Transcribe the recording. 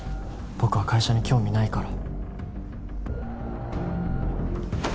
僕は会社に興味ないから。